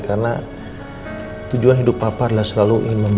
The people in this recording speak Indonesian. karena tujuan hidup papah adalah selalu ingin membantumu